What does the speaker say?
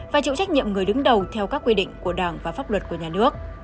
và chịu trách nhiệm người đứng đầu theo các quy định của đảng và pháp luật của nhà nước